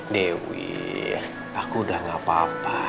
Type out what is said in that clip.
dewi aku udah gak apa apa